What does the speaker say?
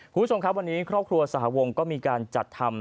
คุณผู้ชมครับวันนี้ครอบครัวสหวงก็มีการจัดทำ